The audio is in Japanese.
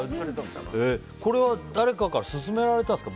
これは誰かから勧められたんですか。